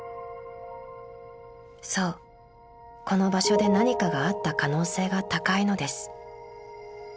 ［そうこの場所で何かがあった可能性が高いのです］